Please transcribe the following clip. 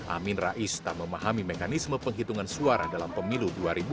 amin rais tak memahami mekanisme penghitungan suara dalam pemilu dua ribu dua puluh